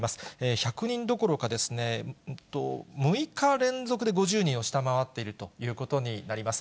１００人どころかですね、６日連続で５０人を下回っているということです。